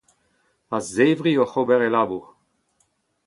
a-zevri oc'h ober e labour